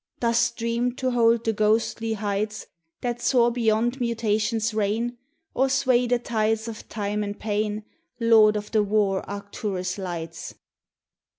Dost dream to hold the ghostly heights That soar beyond Mutation's reign, Or sway the tides of Time and Pain, Lord of the war Arcturus lights?